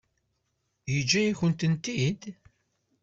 Yeǧǧa-yakent-t-id?